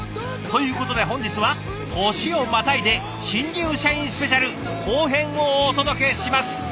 ということで本日は年をまたいで「新入社員スペシャル」後編をお届けします。